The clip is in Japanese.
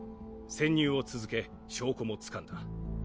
潜入を続け証拠も掴んだ。